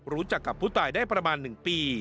รู้จักกับผู้ตายได้ประมาณ๑ปี